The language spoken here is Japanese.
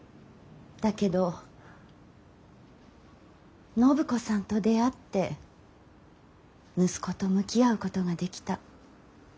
だけど暢子さんと出会って息子と向き合うことができた。